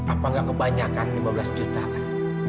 apa nggak kebanyakan lima belas juta pak